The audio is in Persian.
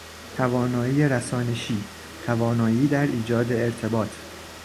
توانایی رسانشی، توانایی در ایجاد ارتباط